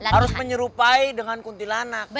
harus menyerupai dengan kuntilanak